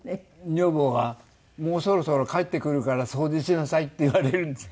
女房が「もうそろそろ帰ってくるから掃除しなさい」って言われるんです。